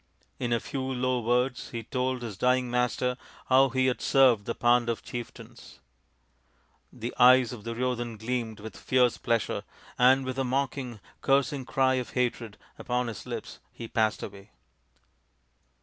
In a few low words he told his dying master how he had served the Pandav chieftains. The eyes of Duryodhan gleamed with n8 THE INDIAN STORY BOOK fierce pleasure, and with a mocking cursing cry of hatred upon his lips he passed away.